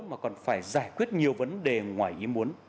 mà còn phải giải quyết nhiều vấn đề ngoài ý muốn